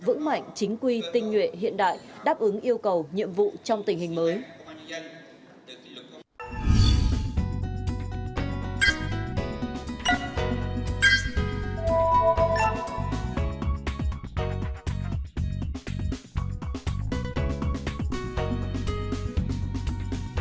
vững mạnh chính quy tinh nguyện hiện đại đáp ứng yêu cầu nhiệm vụ trong tình hình mới